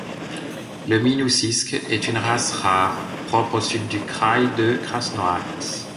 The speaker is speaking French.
Le Minoussinsk est une race rare, propre au sud du Kraï de Krasnoïarsk.